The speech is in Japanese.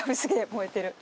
燃えてる。